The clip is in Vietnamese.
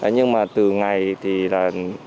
nhưng mà từ ngày thì là